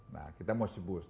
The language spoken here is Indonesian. nah kita musti bus